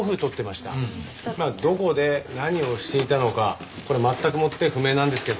まあどこで何をしていたのかこれは全くもって不明なんですけどね。